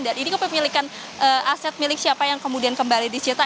dan ini kepemilikan aset milik siapa yang kemudian kembali disita